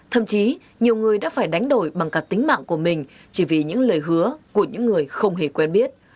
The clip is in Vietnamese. thậm chí nhiều người đã phải đánh đổi bằng cả tính mạng của mình chỉ vì những lời hứa của những người không hề quen biết